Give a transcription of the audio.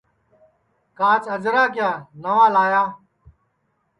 کاچ اجرا کیا نئوا لایا